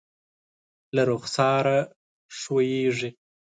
له رخسار ښویېږي